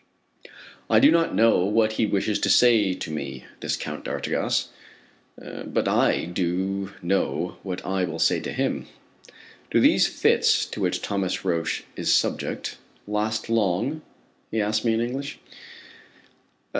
I do not know what he wishes to say to me, this Count d'Artigas, but I do know what I will say to him. "Do these fits to which Thomas Roch is subject last long?" he asks me in English.